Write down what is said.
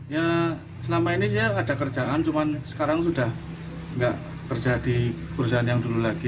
ya selama ini sih ada kerjaan cuman sekarang sudah nggak kerja di perusahaan yang dulu lagi